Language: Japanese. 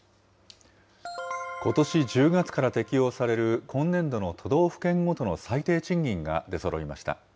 ことし１０月から適用される今年度の都道府県ごとの最低賃金が出そろいました。